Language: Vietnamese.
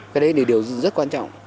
cái đấy là điều rất quan trọng